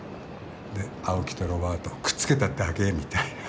で青木とロバートをくっつけただけみたいな。